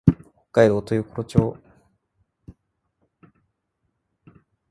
北海道豊頃町